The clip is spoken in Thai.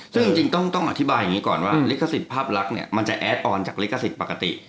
ซึ่งจริงต้องอธิบายอย่างนี้ก่อนว่าลิขสิทธิภาพลักษณ์เนี่ยมันจะแอดออนจากลิขสิทธิ์ปกติ